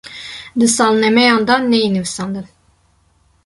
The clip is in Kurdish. di salnemeyan de neyê nivisandin